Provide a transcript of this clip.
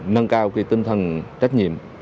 nâng cao cái tinh thần trách nhiệm